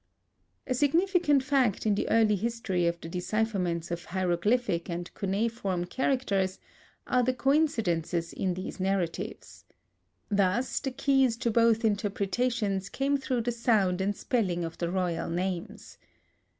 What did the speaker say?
A significant fact in the early history of the decipherments of hieroglyphic and cuneiform characters, are the coincidences in these narratives. Thus the keys to both interpretations came through the sound and spelling of the royal names.